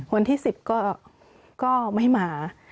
วันที่๑๐ก็ไม่มา